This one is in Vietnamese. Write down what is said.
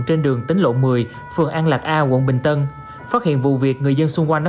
trên đường tính lộ một mươi phường an lạc a quận bình tân phát hiện vụ việc người dân xung quanh